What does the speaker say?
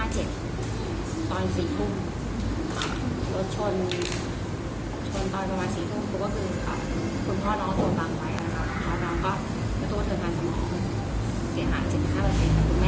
ตอนสี่ทุ่มโรชชนต้อยประมาณสี่ทุ่ม